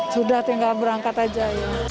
sudah tinggal berangkat saja